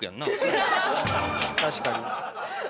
確かに。